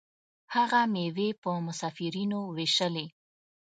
هغه میوې په مسافرینو ویشلې.